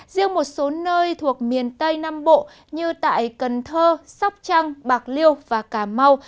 riêng một số nơi thuộc miền tây nam bộ như tại cần thơ sóc trăng bạc liêu và cà mau